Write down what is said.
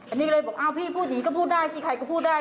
อันนี้ก็เลยบอกพี่พูดนี้ก็พูดได้ชิคกี้พายก็พูดได้